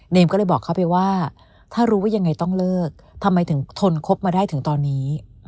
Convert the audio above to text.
ก็เลยบอกเขาไปว่าถ้ารู้ว่ายังไงต้องเลิกทำไมถึงทนคบมาได้ถึงตอนนี้